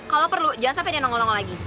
kalau perlu jangan sampai dia nongol nongol lagi